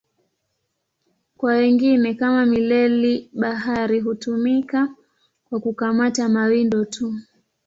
Kwa wengine, kama mileli-bahari, hutumika kwa kukamata mawindo tu.